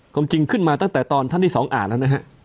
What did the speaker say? ความจริงขึ้นมาตั้งแต่ตอนท่านที่สองอ่านแล้วนะฮะ